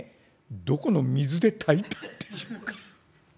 どこの水で炊いたんでしょうか？』。